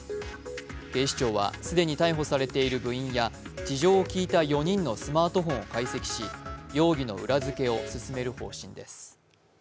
警視庁は既に逮捕されている部員や事情を聴いた４人のスマートフォンを解析し容疑の裏付けを進める方針です。